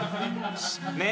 ねえ。